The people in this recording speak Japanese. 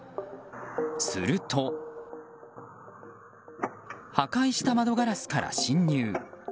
すると、破壊した窓ガラスから侵入。